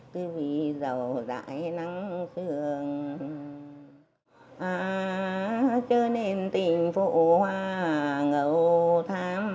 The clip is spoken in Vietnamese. bây giờ các cụ già các cụ không hát nhưng các cụ vẫn ở hậu trường